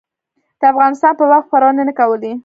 د افغانستان په باب خپرونې نه کولې.